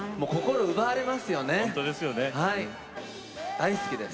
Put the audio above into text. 大好きです。